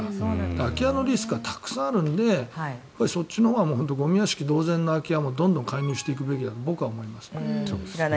空き家のリスクはたくさんあるのでそっちのほうがゴミ屋敷同然の空き家もどんどん介入していくべきだと僕は思いますけどね。